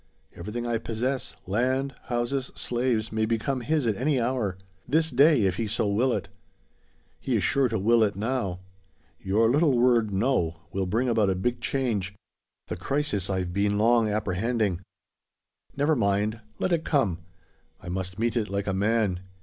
Everything I possess, land, houses, slaves, may become his at any hour; this day, if he so will it. He is sure to will it now. Your little word `no,' will bring about a big change the crisis I've been long apprehending. Never mind! Let it come! I must meet it like a man.